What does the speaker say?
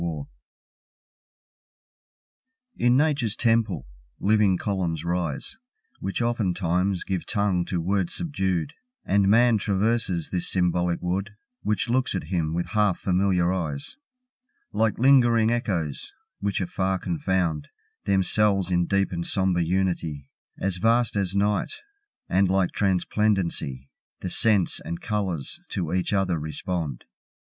Echoes In Nature's temple, living columns rise, Which oftentimes give tongue to words subdued, And Man traverses this symbolic wood, Which looks at him with half familiar eyes, Like lingering echoes, which afar confound Themselves in deep and sombre unity, As vast as Night, and like transplendency, The scents and colours to each other respond.